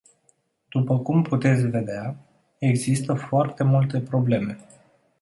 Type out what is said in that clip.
După cum puteți vedea, există foarte multe probleme.